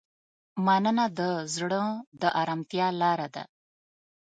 مننه د زړه د ارامتیا لاره ده.